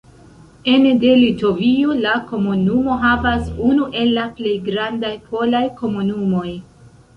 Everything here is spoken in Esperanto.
Ene de Litovio, la komunumo havas unu el la plej grandaj polaj komunumoj.